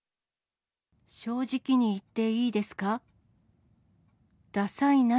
正直に言っていいですか。